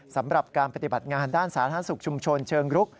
สำหรับการปฏิบัติงานด้านสาธารณสุขชุมชนเชิงรุก